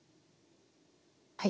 はい。